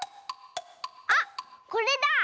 あっこれだ！